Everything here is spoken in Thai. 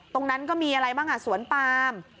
ตรงนั้นก็มีอะไรบ้างสวนปาม